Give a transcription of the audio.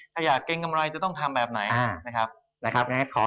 ถ้าอยากเก็งกำไรจะต้องทำแบบไหนนะครับนะครับแล้วครับ